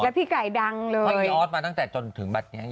แล้วพี่ไก่ดังเลยเพราะอีออสมาตั้งแต่จนถึงแบบนี้